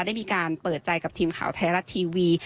ได้มีการเปิดใจกับทีมข่าวไทยรัฐทีวี